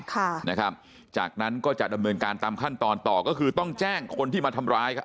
ค่ะนะครับจากนั้นก็จะดำเนินการตามขั้นตอนต่อก็คือต้องแจ้งคนที่มาทำร้ายครับ